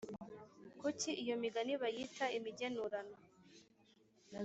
Kuki iyo migani bayita imigenurano?